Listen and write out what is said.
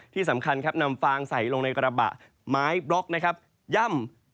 ที่สำคัญครับนำฟางใส่ลงในกระบะไม้บล็อกนะครับย่ำ